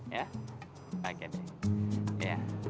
ya pakai deh